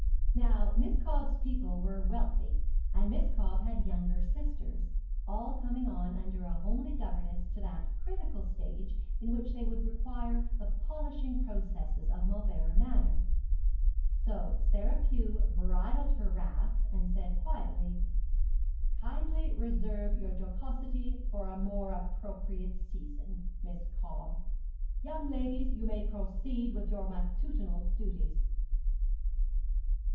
Now Miss Cobb's people were wealthy, and Miss Cobb had younger sisters, all coming on under a homely governess to that critical stage in which they would require the polishing processes of Mauleverer Manor: so Sarah Pew bridled her wrath, and said quietly 'Kindly reserve your jocosity for a more appropriate season, Miss Cobb. Young ladies, you may proceed with your matutinal duties.'